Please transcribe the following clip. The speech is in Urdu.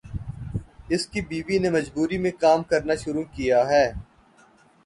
اس کی بیوی نے مجبوری میں کام کرنا شروع کیا ہے۔